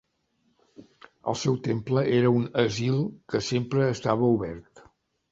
El seu temple era un asil que sempre estava obert.